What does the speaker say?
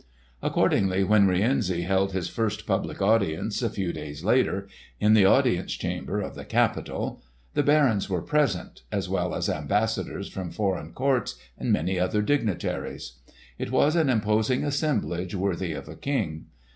Accordingly when Rienzi held his first public audience, a few days later, in the audience chamber of the Capitol, the barons were present, as well as ambassadors from foreign courts and many other dignitaries. It was an imposing assemblage worthy of a king.